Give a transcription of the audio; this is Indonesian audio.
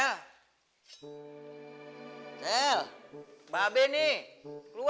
cel cel mbak be nih keluar dong